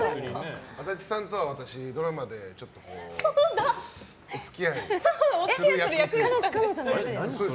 足立さんとは私、ドラマでちょっとお付き合いをする役を。